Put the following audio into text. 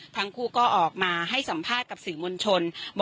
ทั้งคู่ก็ออกมาให้สัมภาษณ์กับสื่อมวลชน